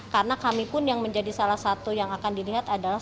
karena kami pun yang menjadi salah satu yang akan dilihat adalah